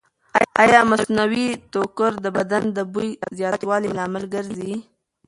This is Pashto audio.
ایا مصنوعي ټوکر د بدن د بوی زیاتېدو لامل ګرځي؟